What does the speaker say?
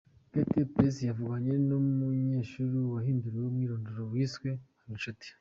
KtPress yavuganye n’umunyeshuli wahinduriwe umwirondoro wiswe Habinshuti.